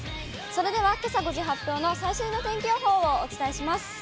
それではけさ５時発表の最新の天気予報をお伝えします。